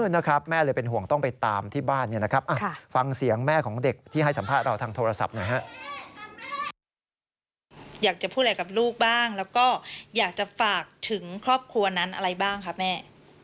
แล้วก็อยากจะฝากถึงครอบครัวนั้นอะไรบ้างค่ะแม่